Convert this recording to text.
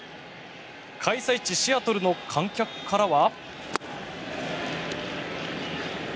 開催地シアトルの観客からは。